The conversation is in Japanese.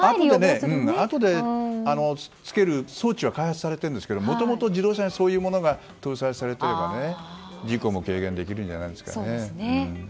あとで、つける装置は開発されているんですけどもともと自動車にそういうものが搭載されていれば事故も軽減できるのではないでしょうか。